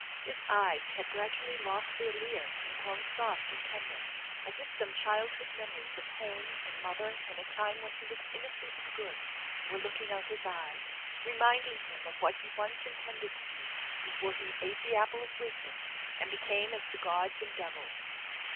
His eyes had gradually lost their leer and grown soft and tender, as if some childhood memories of home and mother and a time when he was innocent and good were looking out his eyes, reminding him of what he once intended to be before he ate the apple of wisdom and became as the gods and devils.